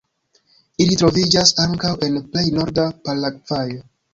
Ili troviĝas ankaŭ en plej norda Paragvajo.